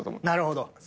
なるほど。